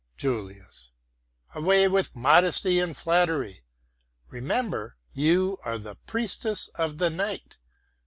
JULIUS Away with modesty and flattery! Remember, you are the priestess of the night.